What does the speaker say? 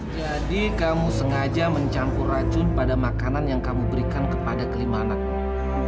jadi kamu sengaja mencampur racun pada makanan yang kamu berikan kepada kelima anakmu